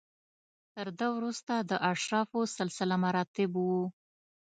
تر ده وروسته د اشرافو سلسله مراتب و.